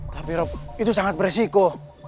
tapi itu sangat beresiko